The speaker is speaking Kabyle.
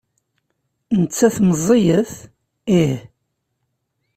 Nettat meẓẓiyet? Ih.